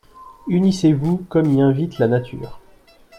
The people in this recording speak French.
Unissez-vous, comme y invite la nature.